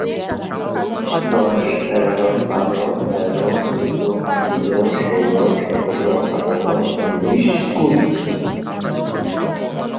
দশ, এগারো, বারো, তেরো, চোদ্দো, পনেরো, ষোলো, সতেরো, আঠারো, উনিশ, কুরি।